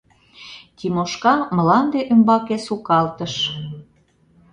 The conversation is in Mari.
— Тимошка мланде ӱмбаке сукалтыш.